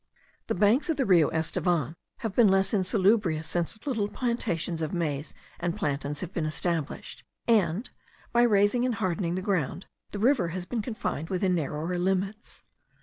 The banks of the Rio Estevan have been less insalubrious since little plantations of maize and plantains have been established; and, by raising and hardening the ground, the river has been confined within narrower limits.